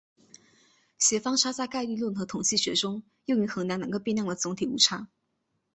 协方差在概率论和统计学中用于衡量两个变量的总体误差。